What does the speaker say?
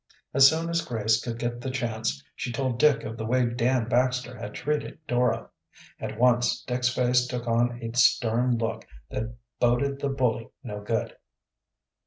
As soon as Grace could get the chance she told Dick of the way Dan Baxter had treated Dora. At once Dick's face took on a stern look that boded the bully no good.